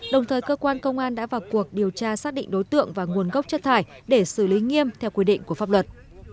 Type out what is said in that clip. đồng thời cơ quan công an đã vào cuộc điều tra xác định đối tượng và nguồn gốc chất thải để xử lý nghiêm theo quy định của pháp luật